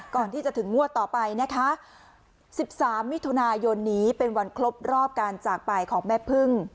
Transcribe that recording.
ก่อนที่จะถึงงวดต่อไปนะคะ๑๓มิถุนายนนี้เป็นวันครบรอบการจากไปของแม่พึ่ง